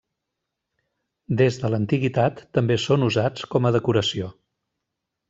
Des de l'antiguitat també són usats com a decoració.